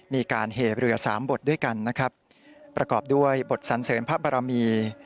มีการเหเรือสามบทด้วยกันนะครับประกอบด้วยบทสันเสริมพระบรมี